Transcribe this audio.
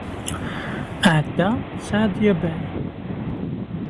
Ɛada tesɛa-d Yabal.